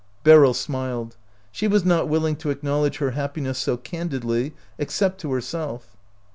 Beryl smiled. She was not willing to ac knowledge her happiness so candidly, except to herself.